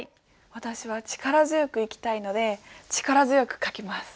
私は力強く生きたいので力強く書きます。